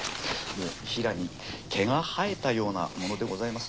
もうヒラに毛が生えたようなものでございます。